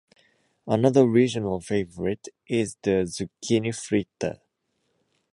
Another regional favourite is the "zucchini fritter".